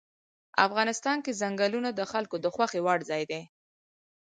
افغانستان کې ځنګلونه د خلکو د خوښې وړ ځای دی.